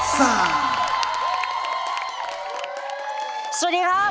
สวัสดีครับ